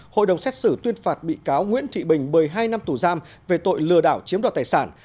hội đồng xét xử tuyên phạt bị cáo nguyễn thị bình một mươi hai năm tù giam về tội lừa đảo chiếm đoạt tài sản